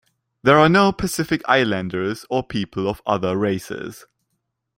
There are no Pacific Islanders or people of other races.